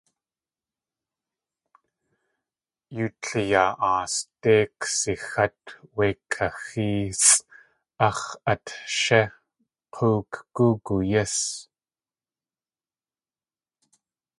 Yóo tliyaa aasdéi ksaxát wéi kaxéesʼ ax̲ at shí k̲óok gúgu yís!